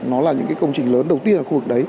nó là những cái công trình lớn đầu tiên ở khu vực đấy